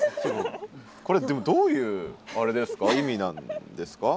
これでもどういうあれですか？